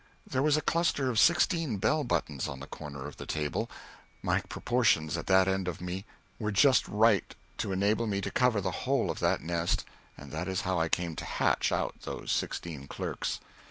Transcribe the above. There was a cluster of sixteen bell buttons on the corner of the table; my proportions at that end of me were just right to enable me to cover the whole of that nest, and that is how I came to hatch out those sixteen clerks.